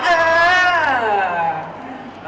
เออ